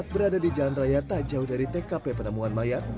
berada di jalan raya tak jauh dari tkp penemuan mayat